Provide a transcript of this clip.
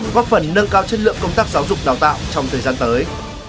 góp phần nâng cao chất lượng công tác giáo dục đào tạo trong thời gian tới